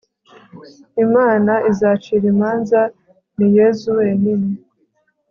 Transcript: imana izacira imanza ni yezu wenyine